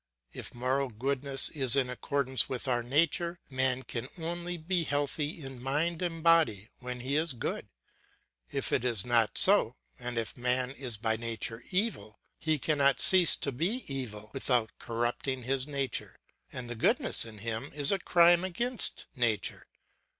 If moral goodness is in accordance with our nature, man can only be healthy in mind and body when he is good. If it is not so, and if man is by nature evil, he cannot cease to be evil without corrupting his nature, and goodness in him is a crime against nature.